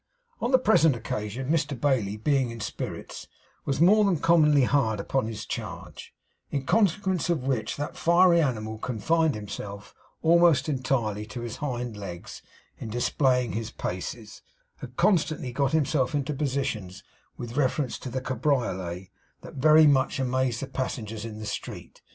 On the present occasion Mr Bailey, being in spirits, was more than commonly hard upon his charge; in consequence of which that fiery animal confined himself almost entirely to his hind legs in displaying his paces, and constantly got himself into positions with reference to the cabriolet that very much amazed the passengers in the street.